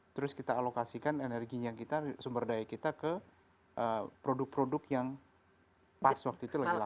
terus kita alokasikan energinya kita sumber daya kita ke produk produk yang pas waktu itu lagi